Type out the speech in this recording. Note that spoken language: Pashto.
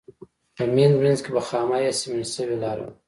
په منځ منځ کې به خامه یا سمنټ شوې لاره وه.